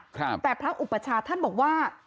แต่พระอุปชาท่านบอกว่า